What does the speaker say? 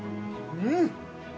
うん！